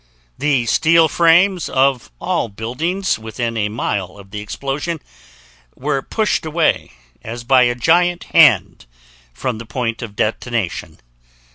The steel frames of all buildings within a mile of the explosion were pushed away, as by a giant hand, from the point of detonation.